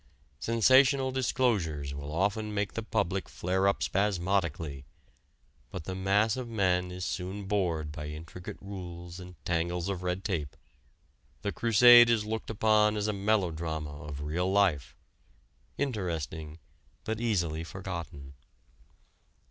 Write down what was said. Sensational disclosures will often make the public flare up spasmodically; but the mass of men is soon bored by intricate rules and tangles of red tape; the "crusade" is looked upon as a melodrama of real life interesting, but easily forgotten.